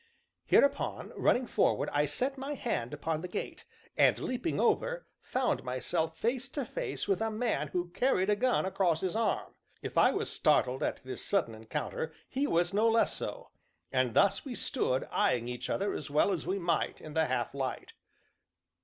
Hereupon, running forward, I set my hand upon the gate, and leaping over, found myself face to face with a man who carried a gun across his arm. If I was startled at this sudden encounter he was no less so, and thus we stood eyeing each other as well as we might in the half light.